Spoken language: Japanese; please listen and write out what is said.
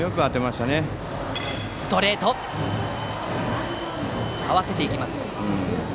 ストレートに合わせていきました。